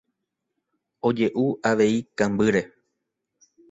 Oje'u avei kambýre.